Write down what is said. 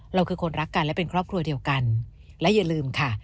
เราคือคนรักกันและเป็นครอบครัวเดียวกันและอย่าลืมค่ะ